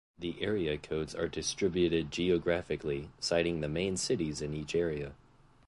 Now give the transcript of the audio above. The area codes are distributed geographically, citing the main cities in each area.